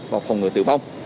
và phòng ngừa tử vong